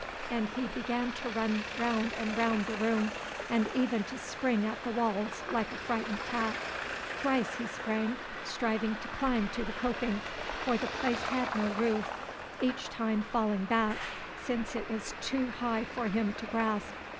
and he began to run round and round the room, and even to spring at the walls like a frightened cat. Thrice he sprang, striving to climb to the coping, for the place had no roof, each time falling back, since it was too high for him to grasp.